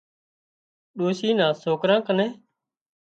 ڏوشي نان سوڪران ڪنين